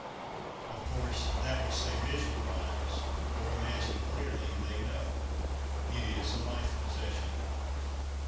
Of course that which they visualise, or imagine clearly, they know; it is a life possession.